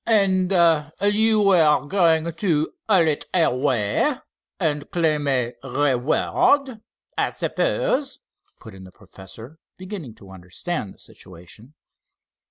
"And you were going to haul it away and claim a reward, I suppose," put in the professor, beginning to understand the situation.